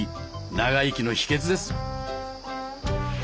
長生きの秘訣です。